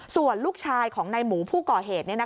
ส่วนลูกชายของนายหมูผู้ก่อเหตุ